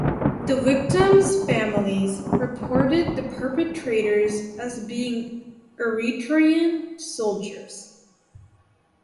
The victims’ families reported the perpetrators as being Eritrean soldiers.